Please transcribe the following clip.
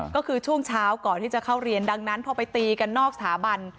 ก็คือช่วงเช้าก่อนที่จะเข้าเรียนดังนั้นพอไปตีกันนอกสถาบัน